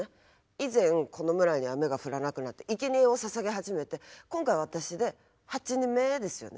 以前この村に雨が降らなくなっていけにえをささげ始めて今回私で８人目ですよね。